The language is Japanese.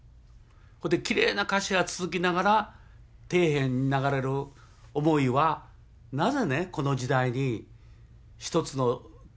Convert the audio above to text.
それできれいな歌詞が続きながら底辺に流れる思いはなぜねこの時代に１つの国がね２つにわかれてるんだって